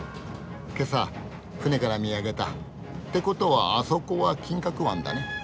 けさ船から見上げた。ってことはあそこは金角湾だね。